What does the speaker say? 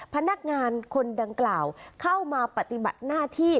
พนักงานคนดังกล่าวเข้ามาปฏิบัติหน้าที่